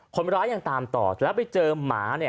คนร้ายยังตามต่อแล้วไปเจอหมา